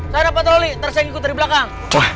saya nabat roli terus saya ikut dari belakang